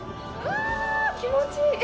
わぁ気持ちいい！